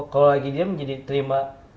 kalau lagi diem jadi terima